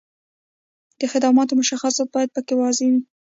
د خدماتو مشخصات باید په کې واضح وي.